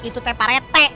itu teh parete